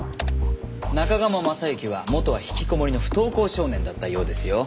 中鴨昌行は元は引きこもりの不登校少年だったようですよ。